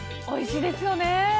おいしいですよね。